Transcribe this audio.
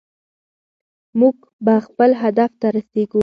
موږ به خپل هدف ته رسېږو.